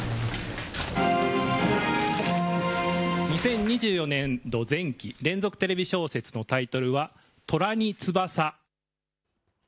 ２０２４年度前期、連続テレビ小説のタイトルは、虎に翼。